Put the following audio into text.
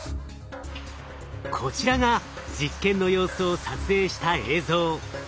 こちらが実験の様子を撮影した映像。